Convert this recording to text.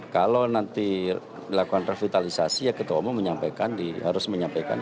kalau nanti dilakukan revitalisasi ketua umum harus menyampaikan